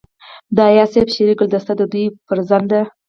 د اياز صيب شعري ګلدسته دَ دوي فرزند